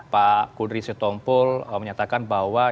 pak kudri setompul menyatakan bahwa